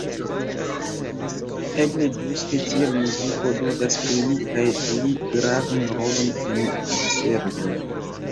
Eble ĝuste tial muziko ludas pli kaj pli gravan rolon en diservoj.